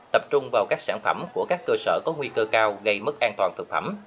tập trung vào các sản phẩm của các cơ sở có nguy cơ cao gây mất an toàn thực phẩm